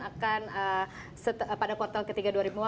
akan pada kuartal ketiga